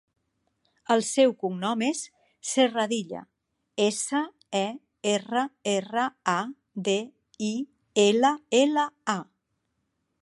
El seu cognom és Serradilla: essa, e, erra, erra, a, de, i, ela, ela, a.